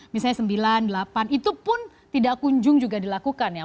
misalnya sembilan puluh delapan itu pun tidak kunjung juga dilakukan ya